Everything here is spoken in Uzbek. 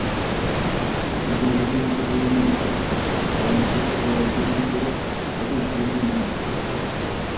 mehmonlarning musiqalarimni eshitib olqishlayotganini ko’rib, otam quvongan edi.